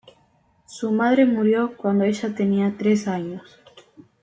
Su madre murió cuando ella tenía tres años.